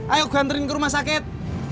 ayo gue anterin ke rumah sakit